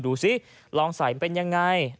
ดูสิลองใส่มันเป็นยังไง